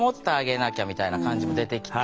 みたいな感じも出てきて。